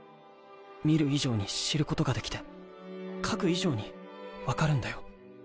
見る以上に知ることができて描く以上に分かるんだよ。